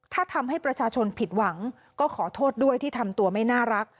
ถ้าทำให้ประชาชนผิดหวังก็ขอโทษด้วยที่ทำตัวไม่น่ารัก